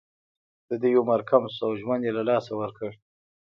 د دوی عمر کم شو او ژوند یې له لاسه ورکړ.